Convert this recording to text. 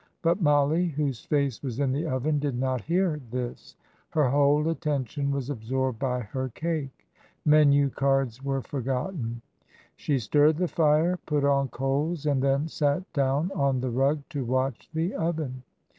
But Mollie, whose face was in the oven, did not hear this; her whole attention was absorbed by her cake menu cards were forgotten. She stirred the fire, put on coals, and then sat down on the rug to watch the oven.